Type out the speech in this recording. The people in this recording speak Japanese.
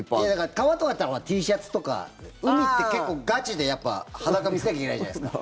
川とかだったらＴシャツとか海って結構、ガチで裸見せなきゃいけないじゃないですか。